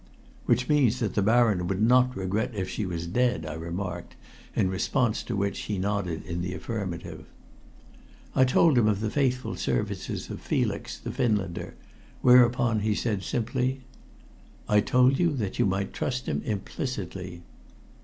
"Which means that the Baron would not regret if she was dead," I remarked, in response to which he nodded in the affirmative. I told him of the faithful services of Felix, the Finlander, whereupon he said simply: "I told you that you might trust him implicitly."